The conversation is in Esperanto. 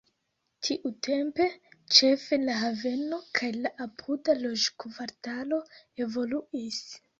Tiutempe ĉefe la haveno kaj la apuda loĝkvartalo evoluis.